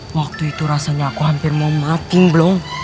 waktu itu rasanya aku hampir mau mating belum